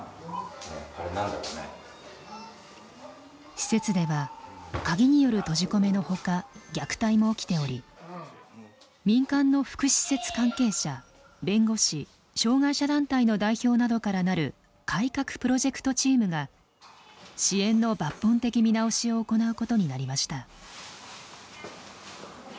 施設では鍵による閉じ込めの他虐待も起きており民間の福祉施設関係者弁護士障害者団体の代表などから成る改革プロジェクトチームが支援の抜本的見直しを行うことになりました。